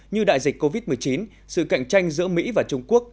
như đại dịch covid một mươi chín sự cạnh tranh giữa mỹ và trung quốc